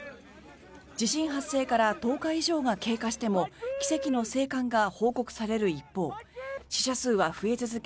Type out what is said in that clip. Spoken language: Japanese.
地震発生から１０日以上が経過しても奇跡の生還が報告される一方死者数は増え続け